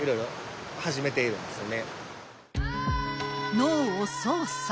脳を操作。